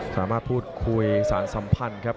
สามารถพูดคุยสารสัมพันธ์ครับ